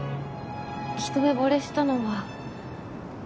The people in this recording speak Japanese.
一目ぼれしたのは